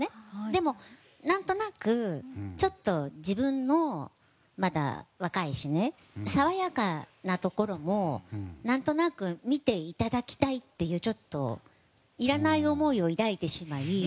でも、何となくちょっと自分もまだ若いしね爽やかなところも何となく見ていただきたいっていうちょっといらない思いを抱いてしまい。